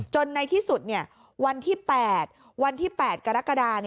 จนในที่สุดวันที่๘กระกระดา